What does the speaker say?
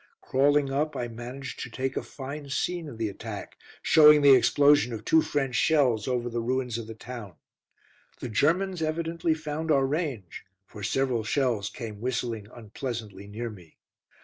Crawling up, I managed to take a fine scene of the attack, showing the explosion of two French shells over the ruins of the town. The Germans evidently found our range, for several shells came whistling unpleasantly near me.